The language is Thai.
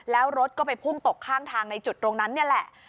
แล้วรถก็ไปพุ่งตกข้างทางในจุดตรงนั้นนี่แหละ